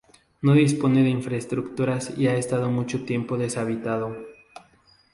No dispone de infraestructuras y ha estado mucho tiempo deshabitado.